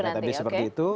ya database seperti itu